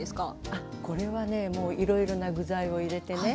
あっこれはねもういろいろな具材を入れてね